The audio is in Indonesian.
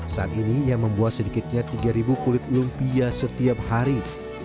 saat ini ia membuat sedikitnya tiga kulit lumpia setiap hari